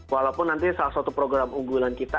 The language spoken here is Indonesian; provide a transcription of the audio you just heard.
walaupun nanti salah satu program unggulan kita